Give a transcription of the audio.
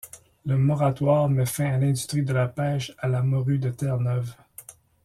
Le moratoire met fin à l'industrie de la pêche à la morue de Terre-Neuve.